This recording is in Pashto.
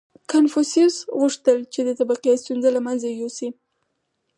• کنفوسیوس غوښتل، چې د طبقې ستونزه له منځه یوسي.